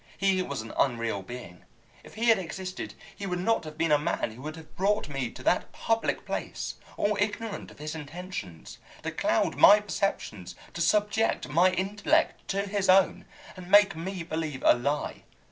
He was an unreal being. If he had existed he would not have been a man who would have brought me to that public place, all ignorant of his intentions, to cloud my perceptions, to subject my intellect to his own, and make me believe a lie.